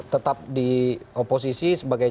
tetap di oposisi sebagai